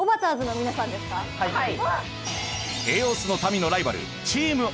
はい。